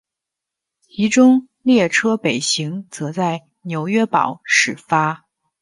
其中列车北行则在纽伦堡始发。